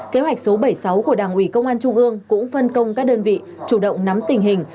kế hoạch số bảy mươi sáu của đảng ủy công an trung ương cũng phân công các đơn vị chủ động nắm tình hình